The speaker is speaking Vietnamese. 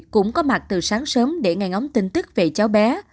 cũng có mặt từ sáng sớm để ngay ngóng tin tức về cháu bé